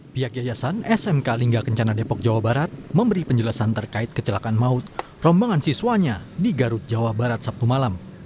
pihak yayasan smk lingga kencana depok jawa barat memberi penjelasan terkait kecelakaan maut rombongan siswanya di garut jawa barat sabtu malam